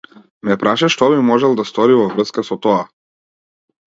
Ме праша што би можел да стори во врска со тоа.